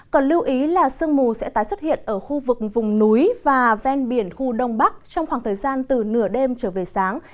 còn lưu ý là sương mù sẽ tái xuất hiện ở khu vực vùng núi và ven biển khu đông bắc trong khoảng thời gian từ nửa đêm trở về sáng